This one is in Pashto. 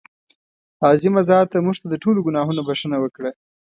عظیمه ذاته مونږ ته د ټولو ګناهونو بښنه وکړه.